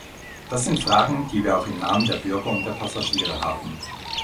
Das sind Fragen, die wir auch im Namen der Bürger und der Passagiere haben.